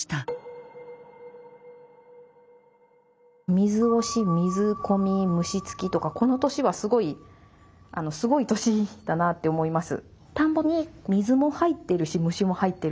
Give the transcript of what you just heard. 「水押し水込み虫付き」とかこの年はすごいすごい年だなって思います。